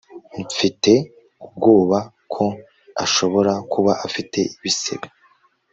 mfite ubwoba ko ashobora kuba afite ibisebe